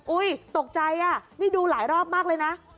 ตกใจอ่ะนี่ดูหลายรอบมากเลยนะ